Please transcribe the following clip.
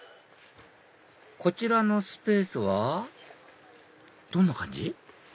こちらのスペースはどんな感じ？